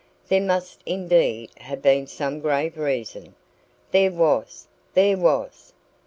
"There must indeed have been some grave reason " "There was there was!"